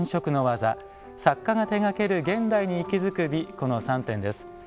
この３点です。